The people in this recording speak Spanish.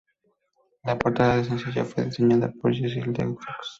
La portada de sencillo fue diseñada por Jesse LeDoux.